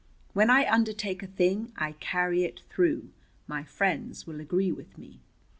When I undertake a thing, I carry it through. My friends will agree with me.